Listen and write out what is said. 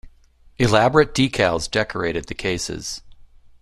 Elaborate decals decorated the cases.